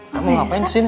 kamu ngapain di sini